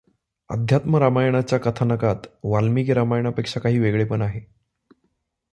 अध्यात्म रामायणाच्या कथानकात वाल्मिकी रामायणापेक्षा काही वेगळेपण आहे.